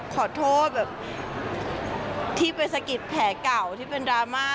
ขอโทษแบบที่ไปสะกิดแผลเก่าที่เป็นดราม่า